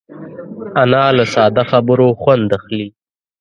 انا له ساده خبرو خوند اخلي